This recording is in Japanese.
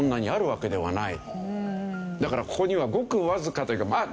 だからここにはごくわずかというかまあ